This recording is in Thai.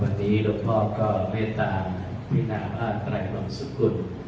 วันนี้ล่วงพ่อก็ได้ตามพินาภาพไตรสุขุน